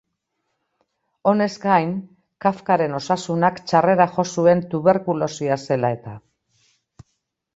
Honez gain, Kafkaren osasunak txarrera jo zuen tuberkulosia zela eta.